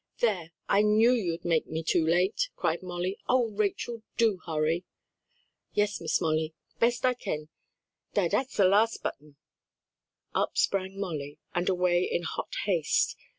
"There! I knew you'd make me too late!" cried Molly. "Oh, Rachel, do hurry!" "Yes, Miss Molly, best I kin; dar dat's de las' button." Up sprang Molly, and away in hot haste.